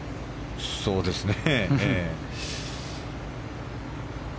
そうですね。